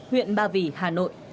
huyện ba vỉ hà nội